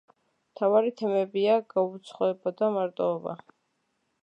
მთავარი თემებია გაუცხოება და მარტოობა.